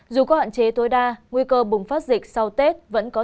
dù có hạn chế tối đa nguy cơ bùng phát dịch sau tết